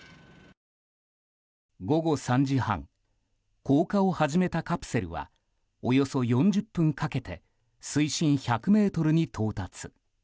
午後３時半降下を始めたカプセルはおよそ４０分かけて水深１００ｍに到達。